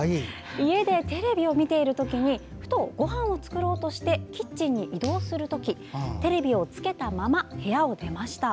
家でテレビを見ているときにふと、ごはんを作ろうとしてキッチンに移動するときテレビをつけたまま部屋を出ました。